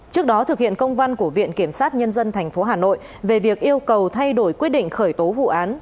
trước đó thực hiện công văn của viện kiểm sát nhân dân tp hà nội về việc yêu cầu thay đổi quyết định khởi tố vụ án